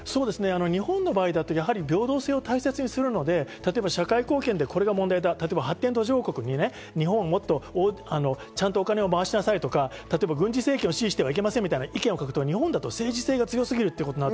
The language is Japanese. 日本の場合だと平等性を大切にするので社会貢献でこれが問題だ、例えば発展途上国に日本はちゃんとお金を回しなさいとか、軍事政権を支持してはいけませんと書くと、日本では政治性が強すぎるとなる。